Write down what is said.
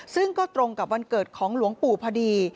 ซึ่งก็ตรงกับวันเกิดของหลวงปู่พอดี